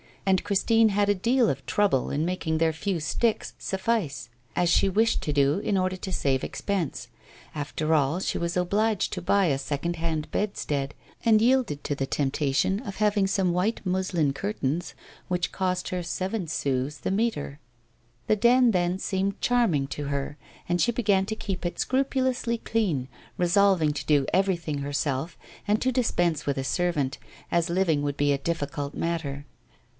And Christine had a deal of trouble in making their few sticks suffice, as she wished to do, in order to save expense. After all, she was obliged to buy a second hand bedstead; and yielded to the temptation of having some white muslin curtains, which cost her seven sous the metre. The den then seemed charming to her, and she began to keep it scrupulously clean, resolving to do everything herself, and to dispense with a servant, as living would be a difficult matter.